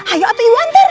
ayo atau ibu hantar